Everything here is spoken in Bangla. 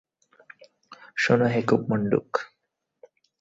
শোন হে কূপমণ্ডুক।